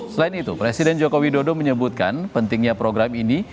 selain itu presiden joko widodo menyebutkan pentingnya program ini